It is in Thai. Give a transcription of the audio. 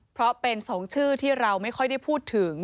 เพราะเป็น๒ชื่อที่เราไม่ค่อยได้พูดถึง